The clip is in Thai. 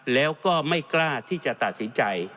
แล้วก็ไม่กล้าที่จะตัดสินใจ